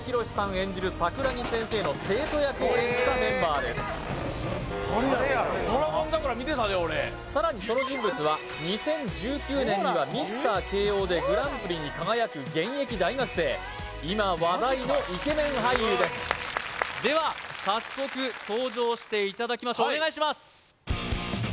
演じる桜木先生の生徒役を演じたメンバーです誰やろ「ドラゴン桜」見てたで俺さらにその人物は２０１９年にはミスター慶応でグランプリに輝く現役大学生今話題のイケメン俳優ですでは早速登場していただきましょうお願いします